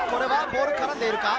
ボール、絡んでいるか？